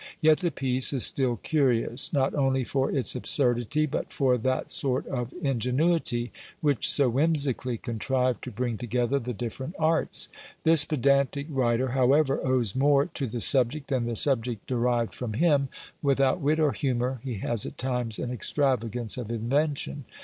Yet the piece is still curious, not only for its absurdity, but for that sort of ingenuity, which so whimsically contrived to bring together the different arts; this pedantic writer, however, owes more to the subject, than the subject derived from him; without wit or humour, he has at times an extravagance of invention.